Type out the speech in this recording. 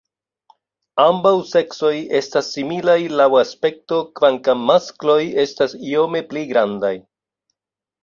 Ambaŭ seksoj estas similaj laŭ aspekto kvankam maskloj estas iome pli grandaj.